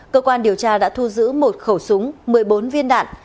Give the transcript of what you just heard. cơ quan điều tra đã thu giữ một khẩu súng một mươi bốn viên đạn